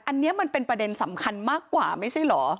อันนี้มันเป็นประเด็นสำคัญมากกว่าไม่ใช่เหรอ